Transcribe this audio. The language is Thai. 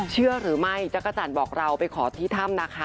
เชื่อหรือไม่จักรจันทร์บอกเราไปขอที่ถ้ำนะคะ